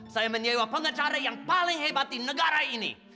saya menyewa pengacara yang paling hebat di negara ini